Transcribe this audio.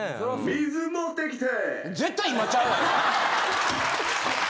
水持ってきて？